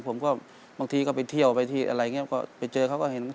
บางทีก็ไปเที่ยวไปที่อะไรอย่างนี้ก็ไปเจอเขาก็เห็น